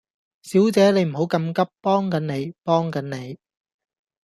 小姐你唔好咁急，幫緊你，幫緊你